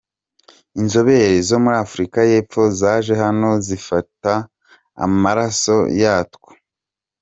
Inzobere zo muri Afurika y’Epfo zaje hano zifata amaraso yatwo.